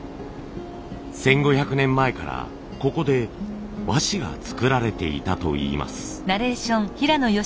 １，５００年前からここで和紙が作られていたといいます。